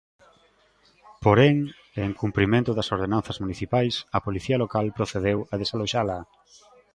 Porén, e en cumprimento das ordenanzas municipais, a Policía Local procedeu a desaloxala.